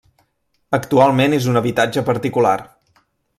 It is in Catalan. Actualment és un habitatge particular.